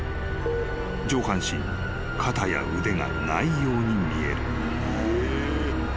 ［上半身に肩や腕がないように見える］